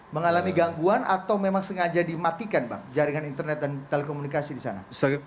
mengalami gangguan atau memang sengaja dimatikan bang jaringan internet dan telekomunikasi di sana